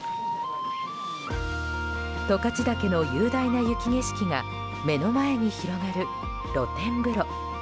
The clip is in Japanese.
十勝岳の雄大な雪景色が目の前に広がる露天風呂。